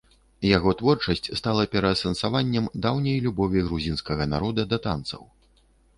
Яго творчасць стала пераасэнсаваннем даўняй любові грузінскага народа да танцаў.